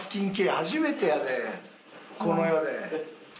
初めてやでこの世で。